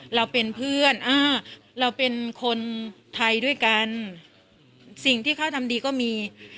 เราเป็นเพื่อนอ่าเราเป็นคนไทยด้วยกันสิ่งที่เขาทำดีก็มี